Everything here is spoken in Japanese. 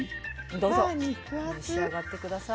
どうぞ召し上がって下さい。